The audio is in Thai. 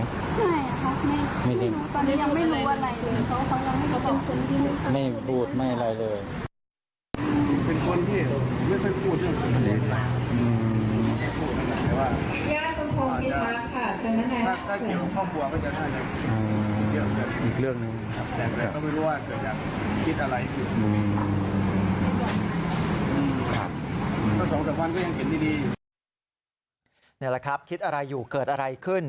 นี่แหละครับคิดอะไรอยู่เกิดอะไรขึ้น